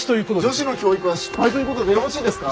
女子の教育は失敗ということでよろしいですか？